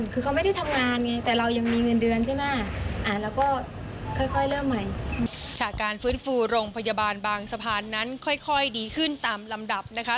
ค่ะการฟื้นฟูโรงพยาบาลบางสะพานนั้นค่อยดีขึ้นตามลำดับนะคะ